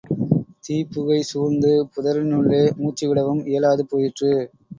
தீப் புகை சூழ்ந்து புதரினுள்ளே மூச்சுவிடவும் இயலாது போயிற்று.